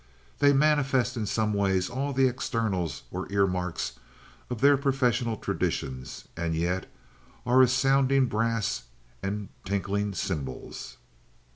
They manifest in some ways all the externals or earmarks of their professional traditions, and yet are as sounding brass and tinkling cymbals.